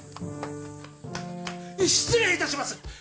失礼いたします。